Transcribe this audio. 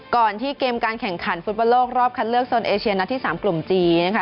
ก่อนที่เกมการแข่งขันฟุตบอลโลกรอบคัดเลือกโซนเอเชียนัดที่๓กลุ่มจีนนะคะ